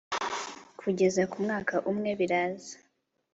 kugeza ku mwaka umwe biraza